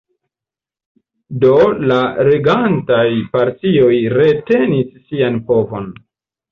Do la regantaj partioj retenis sian povon.